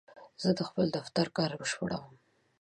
زه د خپل دفتر کار بشپړوم.